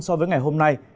so với ngày hôm nay